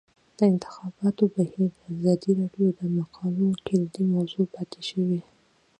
د انتخاباتو بهیر د ازادي راډیو د مقالو کلیدي موضوع پاتې شوی.